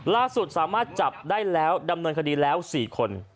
ล่าสุดสามารถจับได้แล้วดำเนินคดีแล้ว๔คน